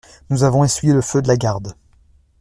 Nous avons essuyé le feu de la garde.